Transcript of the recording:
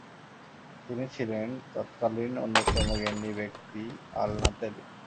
তিনি ছিলেন তৎকালীন অন্যতম জ্ঞানী ব্যক্তিত্ব আল নাতেলী।